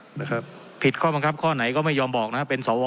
อเจมส์ไม่ต้องปฐวงผมให้เขานั่งนะครับ